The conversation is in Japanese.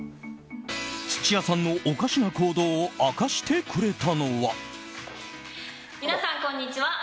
土屋さんのおかしな行動を明かしてくれたのは。